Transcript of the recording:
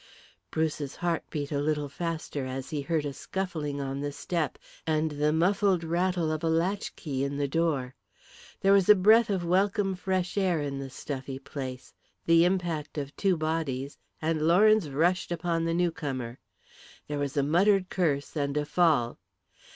Bruce's heart beat a little faster as he heard a scuffling on the step and the muffled rattle of a latchkey in the door. There was a breath of welcome fresh air in the stuffy place, the impact of two bodies, and Lawrence rushed upon the newcomer. There was a muttered curse and a fall.